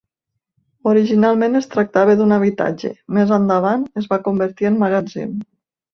Originalment es tractava d'un habitatge, més endavant es va convertir en magatzem.